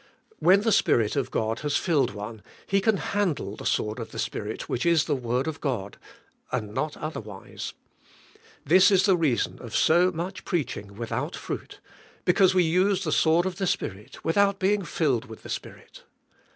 When the Spirit of God has filled one, he can handle the sword of the Spirit, which is the word of God, and not other wise. This is the reason of so much preaching without fruit, because we use the sword of the 70 THE SPIRITUAL LIFK. Spirit without being filled with the Spirit.